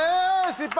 失敗！